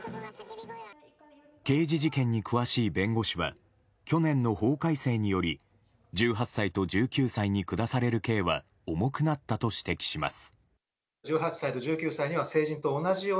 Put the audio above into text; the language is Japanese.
刑事事件に詳しい弁護士は去年の法改正により１８歳と１９歳に下される刑は重くなったと指摘します。